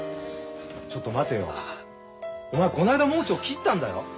ちょっと待てよお前この間盲腸切ったんだよ！？